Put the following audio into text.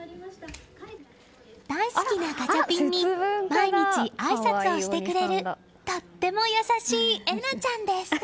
大好きなガチャピンに毎日あいさつしてくれるとっても優しい咲凪ちゃんです。